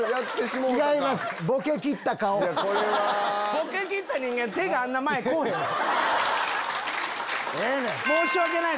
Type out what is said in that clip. ボケ切った人間手があんな前こうへんもん。